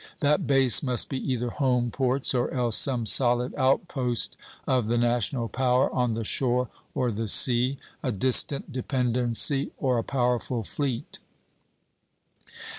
That base must be either home ports, or else some solid outpost of the national power, on the shore or the sea; a distant dependency or a powerful fleet.